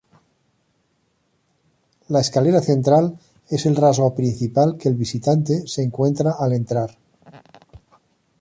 La escalera central es el rasgo principal que el visitante se encuentra al entrar.